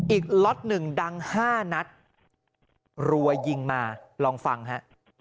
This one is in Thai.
ล็อตหนึ่งดังห้านัดรัวยิงมาลองฟังฮะ